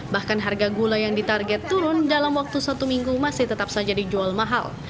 bahkan harga gula yang ditarget turun dalam waktu satu minggu masih tetap saja dijual mahal